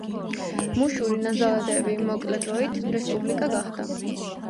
მუშური ნაძალადევი მოკლე დროით „რესპუბლიკა“ გახდა.